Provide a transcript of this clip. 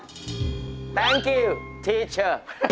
ขอบคุณครับเธอ